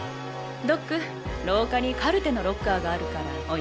ドック廊下にカルテのロッカーがあるから置いてきて。